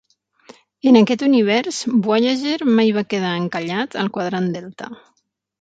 En aquest univers, "Voyager" mai va quedar encallat al Quadrant Delta.